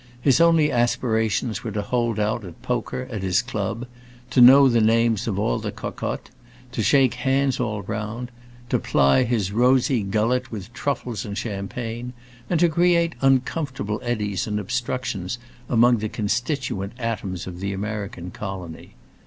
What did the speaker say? His only aspirations were to hold out at poker, at his club, to know the names of all the cocottes, to shake hands all round, to ply his rosy gullet with truffles and champagne, and to create uncomfortable eddies and obstructions among the constituent atoms of the American colony.